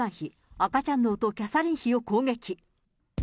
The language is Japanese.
赤ちゃん脳とキャサリン妃を攻撃。